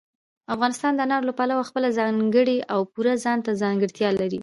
افغانستان د انارو له پلوه خپله ځانګړې او پوره ځانته ځانګړتیا لري.